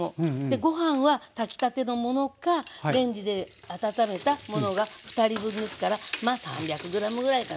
ご飯は炊きたてのものかレンジで温めたものが２人分ですからまあ３００ｇぐらいかな。